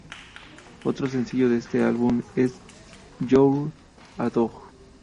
Otro sencillo de este álbum es "You're a Dog".